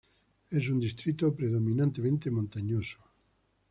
Es un distrito predominantemente montañoso.